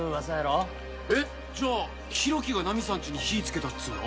えっじゃあ浩喜がナミさんちに火つけたっつうの？